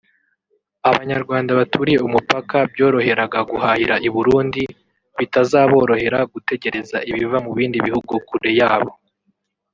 Abanyarwanda baturiye umupaka byoroheraga guhahira i Burundi bitazaborohera gutegereza ibiva mu bindi bihugu kure yabo